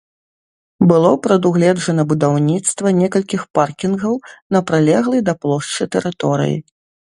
Было прадугледжана будаўніцтва некалькіх паркінгаў на прылеглай да плошчы тэрыторыі.